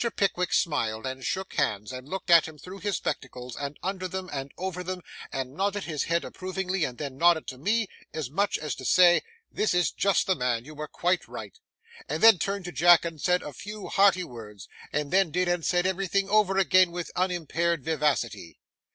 Pickwick smiled, and shook hands, and looked at him through his spectacles, and under them, and over them, and nodded his head approvingly, and then nodded to me, as much as to say, 'This is just the man; you were quite right;' and then turned to Jack and said a few hearty words, and then did and said everything over again with unimpaired vivacity.